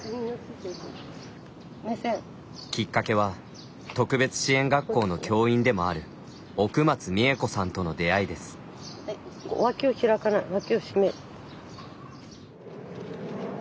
きっかけは特別支援学校の教員でもある奥松美恵子さんとの出会いです。